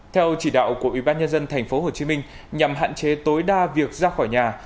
theo chỉ đạo của ubnd tp hcm nhằm hạn chế tối đa việc ra khỏi nhà